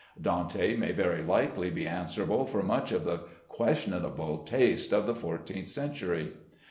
Dante may very likely be answerable for much of the questionable taste of the fourteenth century.